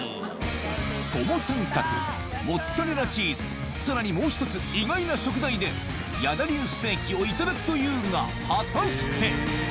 友三角、モッツァレラチーズ、さらにもう一つ、意外な食材で、矢田流ステーキを頂くというが、果たして。